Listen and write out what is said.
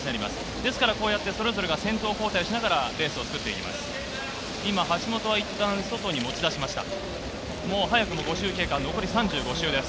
ですからそれぞれが先頭、交代しながらレースを作っていきます。